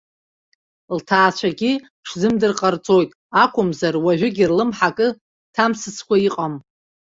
Лҭаацәагьы ҽзымдыр ҟарҵоит акәымзар, уажәыгьы рлымҳа акы ҭамсыцкәа иҟам.